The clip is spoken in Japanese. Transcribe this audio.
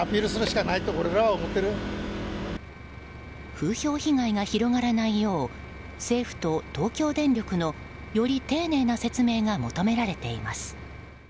風評被害が広がらないよう政府と東京電力のより丁寧な説明が求められています。